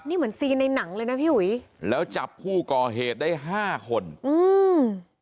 นี่เหมือนซีนในหนังเลยนะพี่หุยแล้วจับผู้ก่อเหตุได้ห้าคนอืม